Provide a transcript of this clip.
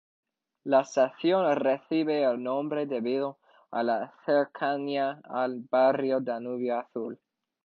La estación recibe el nombre debido a la cercanía al barrio Danubio Azul.